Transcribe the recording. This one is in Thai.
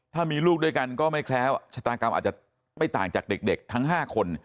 ถ้ามีลูกด้วยกันก็ไม่แคล้วชะตากรรมอาจจะไม่ต่างจากเด็กทั้ง๕คน